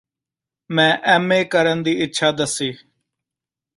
ਮੈਂ M A ਕਰਨ ਦੀ ਇੱਛਾ ਦੱਸੀ